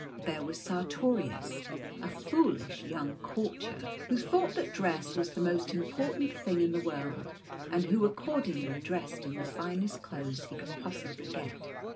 There was Sartorius, a foolish young courtier, who The Courtiers. 19 thought that dress was the most important thing in the world ; and who accordingly dressed in the finest clothes he could possibly get.